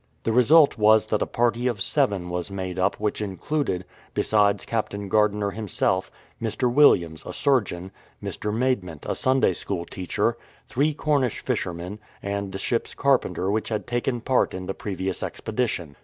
The result was that a party of seven was made up which included, besides Captain Gardiner him self, Mr. Williams, a surgeon ; Mr. Maidment, a Sunday school teacher ; three Cornish fishermen, and the ship's carpenter who had taken part in the previous expedition.